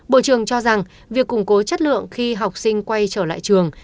bộ trưởng cho rằng việc củng cố chất lượng khi học sinh quay trở lại trường